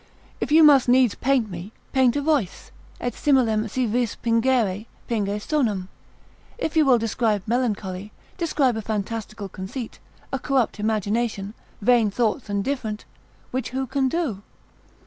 if you must needs paint me, paint a voice, et similem si vis pingere, pinge sonum; if you will describe melancholy, describe a fantastical conceit, a corrupt imagination, vain thoughts and different, which who can do?